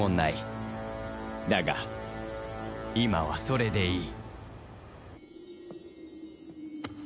だが今はそれでいい